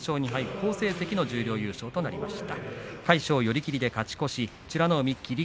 好成績の十両優勝となりました。